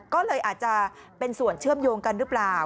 ก็เลยอาจจะเป็นส่วนเชื่อมโยงกันหรือเปล่า